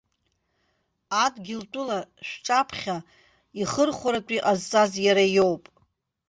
Адгьылтәыла шәҿаԥхьа ихырхәаратәы иҟазҵаз иара иоуп.